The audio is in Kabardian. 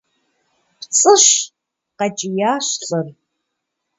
– ПцӀыщ! – къэкӀиящ лӏыр.